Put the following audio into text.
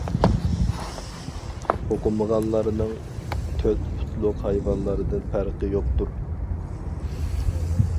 ئوقۇمىغانلارنىڭ تۆت پۇتلۇق ھايۋانلاردىن پەرقى يوقتۇر.